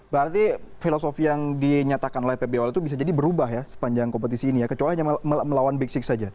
berarti filosofi yang dinyatakan oleh pb awal itu bisa jadi berubah ya sepanjang kompetisi ini ya kecuali hanya melawan big six saja